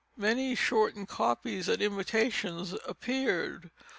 Many shortened copies and imitations appeared.